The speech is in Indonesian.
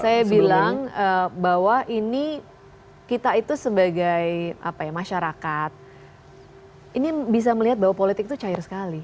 saya bilang bahwa ini kita itu sebagai masyarakat ini bisa melihat bahwa politik itu cair sekali